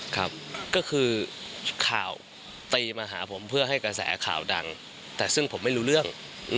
ครับก็คือข่าวตีมาหาผมเพื่อให้กระแสข่าวดังแต่ซึ่งผมไม่รู้เรื่อง